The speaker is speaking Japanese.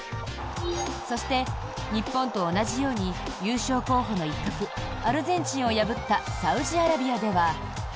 そして、日本と同じように優勝候補の一角アルゼンチンを破ったサウジアラビアでは。